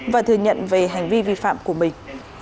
và thừa nhận về hành vi vi phạm của mình